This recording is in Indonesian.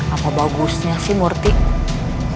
apa bagusnya sih murthy